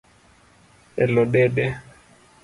Elo dede